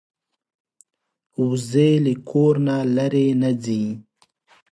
وزې له کور نه لرې نه ځي